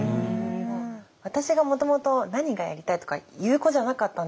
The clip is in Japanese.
私がもともと何がやりたいとか言う子じゃなかったんですよね。